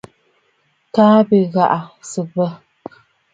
Kaa bì ghàʼà sɨ̀ bɔŋə̀.